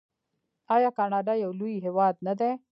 آیا کاناډا یو لوی هیواد نه دی؟